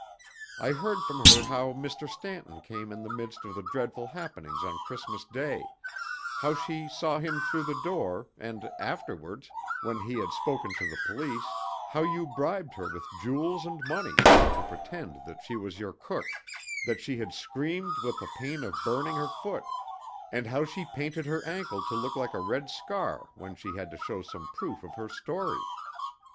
I heard from her how Mr. Stanton came in the midst of the dreadful happenings on Christmas Day, how she saw him through the door, and afterwards, when he had spoken to the police, how you bribed her with jewels and money to pretend that she was your cook, that she had screamed with the pain of burning her foot, and how she painted her ankle to look like a red scar when she had to show some proof of her story.